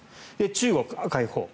中国、赤いほう。